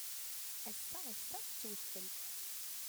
Ass-a, issaɣ-itt udfel.